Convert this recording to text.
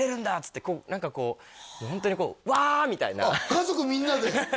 家族みんなで？